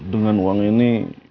dengan uang ini